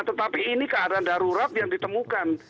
tetapi ini keadaan darurat yang ditemukan